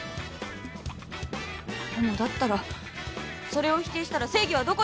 「でもだったらそれを否定したら正義はどこにあるんですか？」